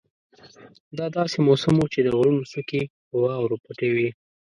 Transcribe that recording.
دا داسې موسم وو چې د غرونو څوکې په واورو پټې وې.